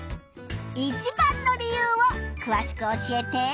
一番の理由をくわしく教えて。